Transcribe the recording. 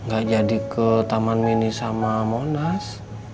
gak jadi ke taman mini sama monas